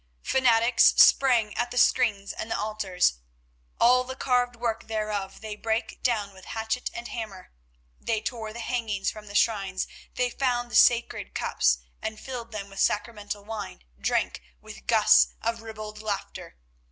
Fanatics sprang at the screens and the altars, "all the carved work thereof they break down with hatchet and hammer," they tore the hangings from the shrines, they found the sacred cups, and filling them with sacramental wine, drank with gusts of ribald laughter.